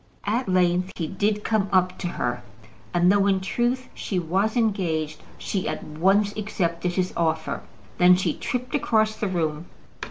At length he did come up to her, and though, in truth, she was engaged, she at once accepted his offer. Then she tripped across the room.